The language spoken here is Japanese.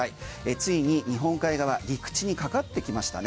ついに日本海側陸地にかかってきましたね。